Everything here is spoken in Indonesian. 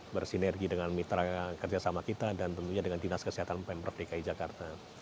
bersinergi dengan mitra kerjasama kita dan tentunya dengan dinas kesehatan pemprov dki jakarta